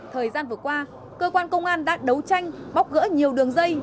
thời gian vừa qua cơ quan công an đã đấu tranh bóc gỡ nhiều đường dây